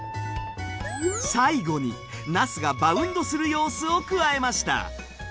最後になすがバウンドする様子を加えました。